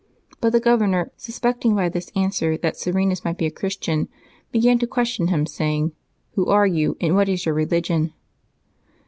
But the governor, suspecting by this answer that Serenus might be a Christian, began to question him, saying, " Who are you, and what is your religion